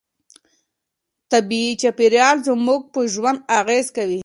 طبيعي چاپيريال زموږ په ژوند اغېز کوي.